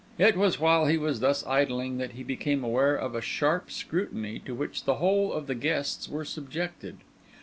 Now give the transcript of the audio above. It was while he was thus idling that he became aware of a sharp scrutiny to which the whole of the guests were subjected.